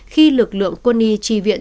khi lực lượng quân y chi viễn